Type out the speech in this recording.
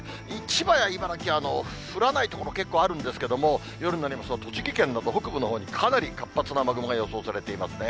千葉や茨城は降らない所、結構あるんですけれども、夜になりますと、栃木県など北部のほうにかなり活発な雨雲が予想されていますね。